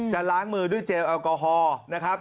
ล้างมือด้วยเจลแอลกอฮอล์นะครับ